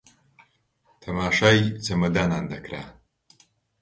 تەماشای چەمەدانان دەکرا